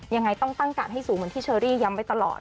ยังไงต้องตั้งการ์ดให้สูงเหมือนที่เชอรี่ย้ำไปตลอด